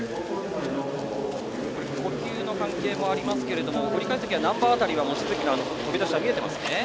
呼吸の関係もありますけど折り返す時は、難波辺りは望月の飛び出しは見えてますね？